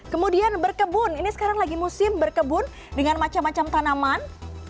kemudian berkebun ini sekarang lagi musim berkebun dengan macam macam tanaman